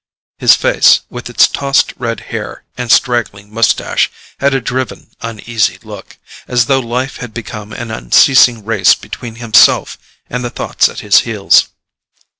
His face, with its tossed red hair and straggling moustache, had a driven uneasy look, as though life had become an unceasing race between himself and the thoughts at his heels.